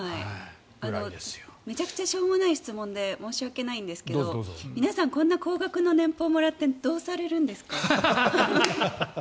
めちゃくちゃしょうもない質問で申し訳ないんですが皆さん高額の年俸もらってどうされるんですか？